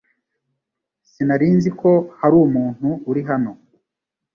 Sinari nzi ko hari umuntu uri hano .